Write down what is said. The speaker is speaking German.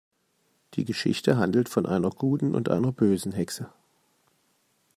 Die Geschichte handelt von einer guten und einer bösen Hexe.